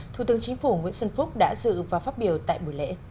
thủ tướng chính phủ nguyễn xuân phúc đã dự và phát biểu tại buổi lễ